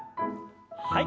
はい。